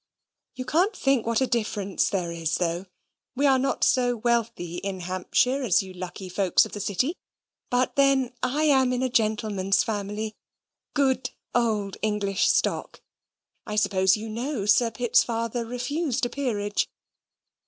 "You can't think what a difference there is though. We are not so wealthy in Hampshire as you lucky folks of the City. But then I am in a gentleman's family good old English stock. I suppose you know Sir Pitt's father refused a peerage.